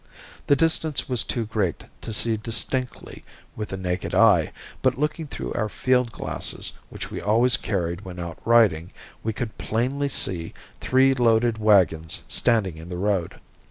The distance was too great to see distinctly with the naked eye, but looking through our field glasses, which we always carried when out riding, we could plainly see three loaded wagons standing in the road.